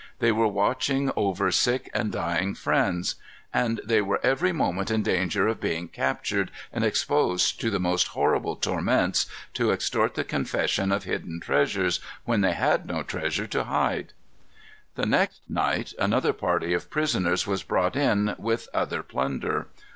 They were watching over sick and dying friends. And they were every moment in danger of being captured, and exposed to the most horrible torments, to extort the confession of hidden treasures, when they had no treasure to hide. The next night another party of prisoners was brought in, with other plunder.